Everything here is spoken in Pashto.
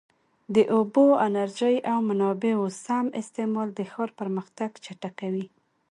د اوبو، انرژۍ او منابعو سم استعمال د ښار پرمختګ چټکوي.